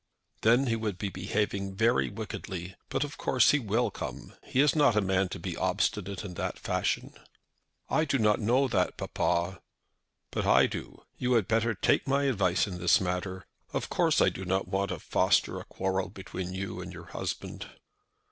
"Then he would be behaving very wickedly. But, of course, he will come. He is not a man to be obstinate in that fashion." "I do not know that, papa." "But I do. You had better take my advice in this matter. Of course I do not want to foster a quarrel between you and your husband."